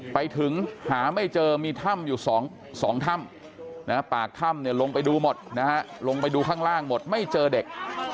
ไปหาไม่เจอมีถ้ำอยู่๒ถ้ำปากถ้ำลงไปดูหมดนะฮะลงไปดูข้างล่างหมดไม่เจอเด็ก